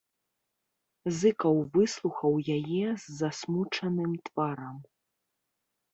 Зыкаў выслухаў яе з засмучаным тварам.